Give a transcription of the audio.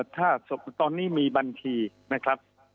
ถ้าตอนนี้มีบัญชีนะครับ